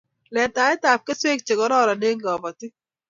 Letaet ab keswek chekororon eng' kapotik